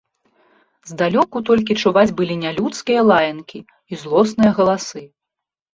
Здалёку толькі чуваць былі нялюдскія лаянкі і злосныя галасы.